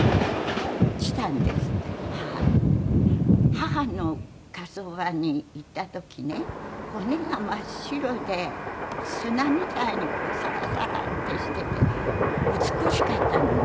母の火葬場に行った時ね骨が真っ白で砂みたいにサラサラってしていて美しかったのね。